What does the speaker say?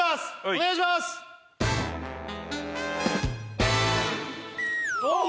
お願いしますおっ！